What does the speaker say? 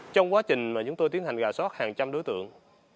trong quá trình mà chúng tôi tiến hành gà sót hàng trăm đối tượng